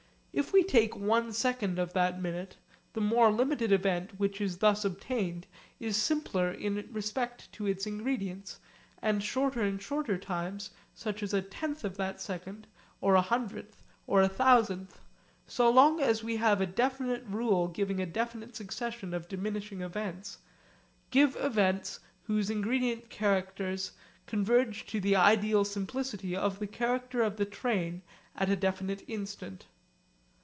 If we take one second of that minute, the more limited event which is thus obtained is simpler in respect to its ingredients, and shorter and shorter times such as a tenth of that second, or a hundredth, or a thousandth so long as we have a definite rule giving a definite succession of diminishing events give events whose ingredient characters converge to the ideal simplicity of the character of the train at a definite instant.